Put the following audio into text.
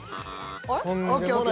ＯＫＯＫ。